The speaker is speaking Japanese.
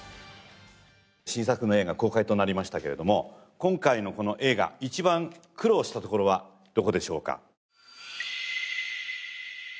新作の映画公開となりましたけれども今回のこの映画一番苦労したところはどこでしょうか？